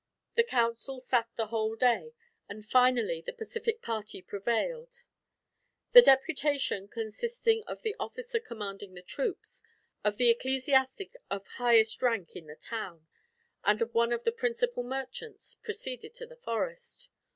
The council sat the whole day, and finally the pacific party prevailed. The deputation, consisting of the officer commanding the troops, of the ecclesiastic of highest rank in the town, and of one of the principal merchants, proceeded to the forest.